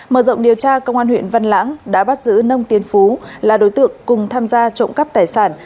mở rộng điều tra công an huyện văn lãng đã bắt giữ nông tiến phú là đối tượng cùng tham gia trộm cắp tài sản